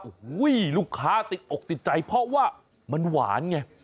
โอ้โหลูกค้าติดอกติดใจเพราะว่ามันหวานไง